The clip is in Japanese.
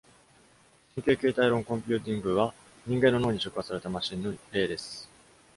神経形態論コンピューティングは、人間の脳に触発されたマシンの例です。